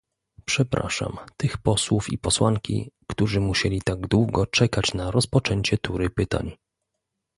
Przepraszam tych posłów i posłanki, którzy musieli tak długo czekać na rozpoczęcie tury pytań